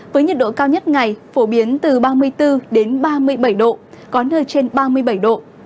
với nhiệt độ cao nhất ngày phổ biến từ ba mươi bốn đến ba mươi bảy độ có nơi trên ba mươi bảy độ